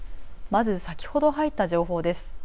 まず先ほど入った情報です。